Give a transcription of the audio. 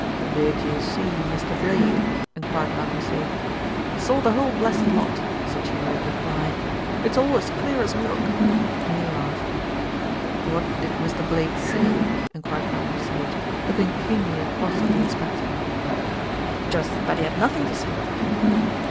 "Did you see Mr. Blade?" enquired Malcolm Sage. "Saw the whole blessed lot," was the cheery reply. "It's all as clear as milk," and he laughed. "What did Mr. Blade say?" enquired Malcolm Sage, looking keenly across at the inspector. "Just that he had nothing to say."